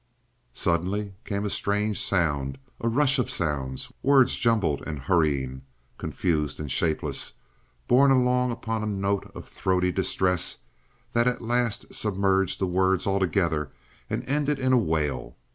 Suddenly came a strange sound, a rush of sounds, words jumbled and hurrying, confused and shapeless, borne along upon a note of throaty distress that at last submerged the words altogether and ended in a wail.